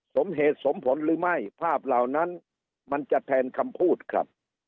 สมเหตุสมผลหรือไม่ภาพเหล่านั้นมันจะแทนคำพูดครับ